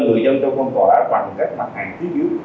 người dân trong phong tỏa là khoảng cách mặt hàng phía dưới